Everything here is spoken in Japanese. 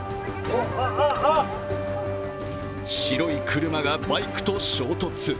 白い車がバイクと衝突。